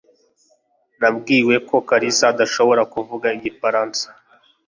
Nabwiwe ko Kalisa adashobora kuvuga igifaransa